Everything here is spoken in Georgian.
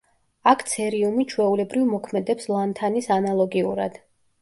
აქ ცერიუმი ჩვეულებრივ მოქმედებს ლანთანის ანალოგიურად.